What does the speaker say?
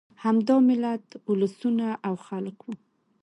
همدا ملت، اولسونه او خلک وو.